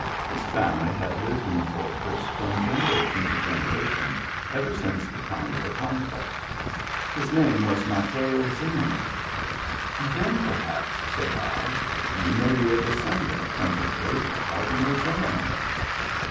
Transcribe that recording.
His family had lived in the fortress from generation to generation ever since the time of the conquest. His name was Mateo Xim cnes. "Then, perhaps," said I, "you may^be a descendant from the great Cardinal Ximenes."